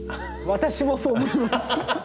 私もそう思います。